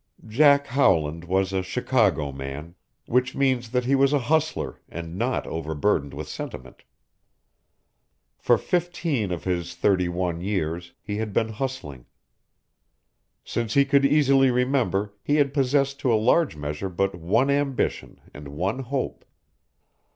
Jack Howland was a Chicago man, which means that he was a hustler, and not overburdened with sentiment. For fifteen of his thirty one years he had been hustling. Since he could easily remember, he had possessed to a large measure but one ambition and one hope.